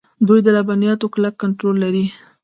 دوی د لبنیاتو کلک کنټرول لري.